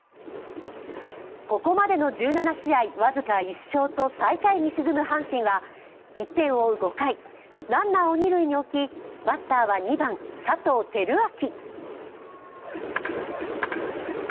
ここまでの１７試合僅か１勝と最下位に沈む阪神は１点を追う５回、ランナーを二塁に置き、バッターは２番・佐藤輝明。